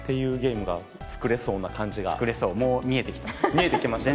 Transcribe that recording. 見えてきましたね。